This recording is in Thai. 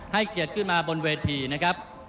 เกียรติขึ้นมาบนเวทีนะครับ